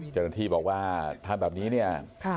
เจ้าหน้าที่บอกว่าถ้าแบบนี้เนี่ย